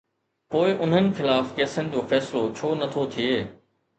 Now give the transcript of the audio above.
پوءِ انهن خلاف ڪيسن جو فيصلو ڇو نه ٿو ٿئي؟